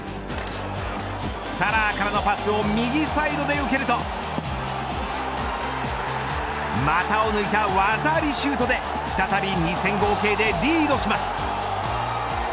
サラーからのパスを右サイドで受けると股を抜いた技ありシュートで再び２戦合計でリードします。